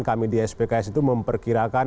kami di spks itu memperkirakan